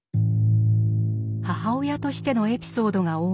母親としてのエピソードが多いのは